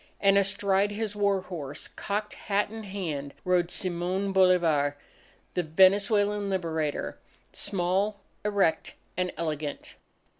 And astride his war horse, cocked hat in hand, rode Simon Bolivar, the Venezuelan Liberator, small, erect, and elegant.